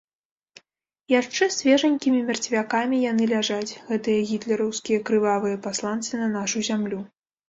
Яшчэ свежанькімі мерцвякамі яны ляжаць, гэтыя гітлераўскія крывавыя пасланцы на нашу зямлю.